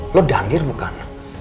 lo daniel bukan